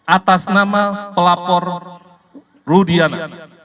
atas nama pelapor rudiana